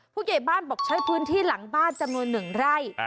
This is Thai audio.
ผู้ใหญ่บ้านบอกใช้พื้นที่หลังบ้านจำนวน๑ไร่